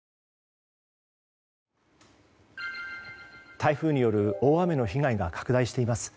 台風による大雨の被害が拡大しています。